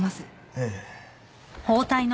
ええ。